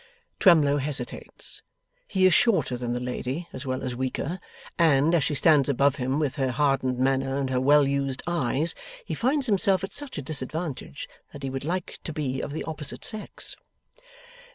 Twemlow hesitates. He is shorter than the lady as well as weaker, and, as she stands above him with her hardened manner and her well used eyes, he finds himself at such a disadvantage that he would like to be of the opposite sex.